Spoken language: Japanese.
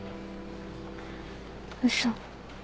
嘘。